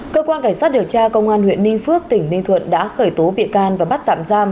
cơ quan cảnh sát điều tra công an huyện ninh phước tỉnh ninh thuận đã khởi tố bị can và bắt tạm giam